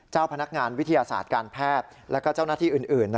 เจ้าพนักงานวิทยาศาสตร์การแพทย์และเจ้าหน้าที่อื่น